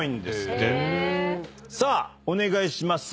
さあお願いします。